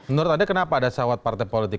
menurut anda kenapa ada sawat partai politik